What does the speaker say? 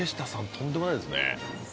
とんでもないですね。